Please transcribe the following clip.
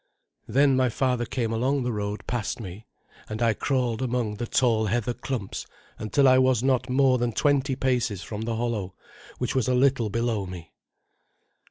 Then my father came along the road past me, and I crawled among the tall heather clumps until I was not more than twenty paces from the hollow, which was a little below me.